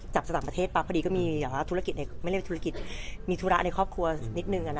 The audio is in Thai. จากสตรรประเทศภาพอีกพอดีก็มีธุรกิจไม่ใช่ธุรกิจมีธุระในครอบครัวนิดนึง